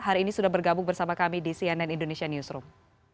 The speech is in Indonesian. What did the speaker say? hari ini sudah bergabung bersama kami di cnn indonesia newsroom